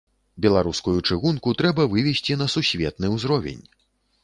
Беларускую чыгунку трэба вывесці на сусветны ўзровень.